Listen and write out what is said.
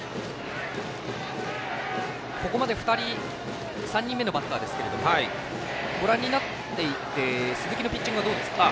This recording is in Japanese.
ここまで３人目のバッターですがご覧になっていて鈴木のピッチングはどうですか？